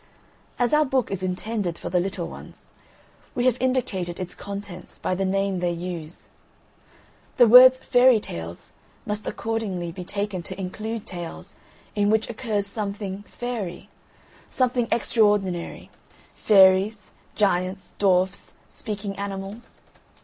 As our book is intended for the little ones, we have indicated its contents by the name they use. The words "Fairy Tales" must accordingly be taken to include tales in which occurs something "fairy," something extraordinary fairies, giants, dwarfs, speaking animals.